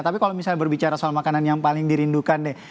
tapi kalau misalnya berbicara soal makanan yang paling dirindukan deh